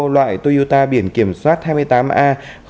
loại toyota biển kiểm soát hai mươi tám a một nghìn sáu trăm hai mươi năm